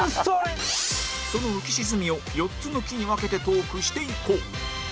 その浮き沈みを４つの期に分けてトークしていこう